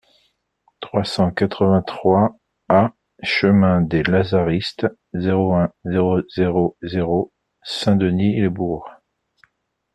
trois cent quatre-vingt-trois A chemin des Lazaristes, zéro un, zéro zéro zéro Saint-Denis-lès-Bourg